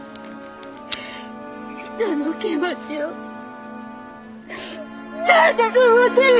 人の気持ちをなんだと思ってるの！？